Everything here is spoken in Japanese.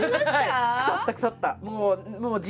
腐った腐った。